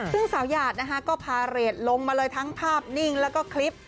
ซึ่งสาวหยาดนะคะก็พาเรทลงมาเลยทั้งภาพนิ่งแล้วก็คลิป